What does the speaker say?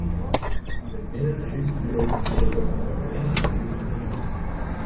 It midden- en lytsbedriuw sil troch de konkurrinsjestriid ferdwine.